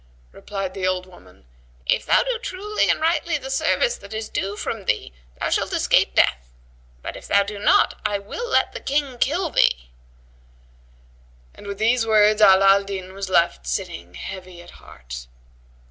Replied the old woman, "If thou do truly and rightly the service that is due from thee thou shalt escape death; but, if thou do it not, I will let the King kill thee." And with these words Ala al Din was left sitting heavy at heart.